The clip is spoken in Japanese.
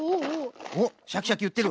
おっシャキシャキいってる。